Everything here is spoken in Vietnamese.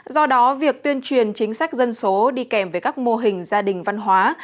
do đó việc tuyên truyền chính sách dân số đi kèm với các mô hình gia đình văn hóa